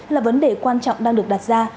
là vấn đề quan trọng đang được đặt ra